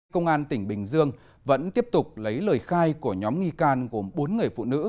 công an tỉnh bình dương vẫn tiếp tục lấy lời khai của nhóm nghi can gồm bốn người phụ nữ